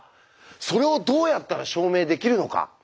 それをどうやったら証明できるのか。